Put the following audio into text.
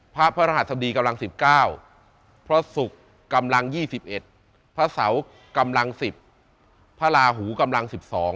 พระพระรหัสดีกำลัง๑๙พระศุกร์กำลัง๒๑พระเสากำลัง๑๐พระราหูกำลัง๑๒